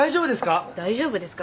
大丈夫ですか？